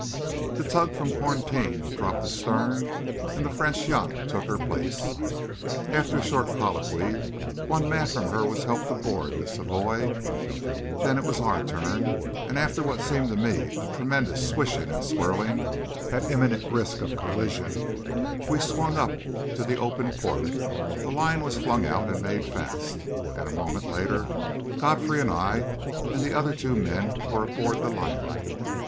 The tug from quarantine dropped astern and the French yacht took her place. After a short colloquy, one man from her was helped aboard the Savoie. Then it was our turn, and after what seemed to me a tremendous swishing and swirling at imminent risk of collision, we swung up to the open port, a line was flung out and made fast, and a moment later Godfrey and I and the other two men were aboard the liner.